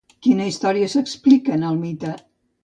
Quina història s'explica en el mite?